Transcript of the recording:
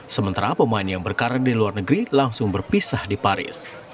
sementara pemain yang berkarir di luar negeri langsung berpisah di paris